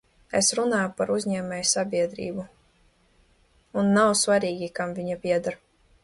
Es runāju par uzņēmējsabiedrību, un nav svarīgi, kam viņa pieder.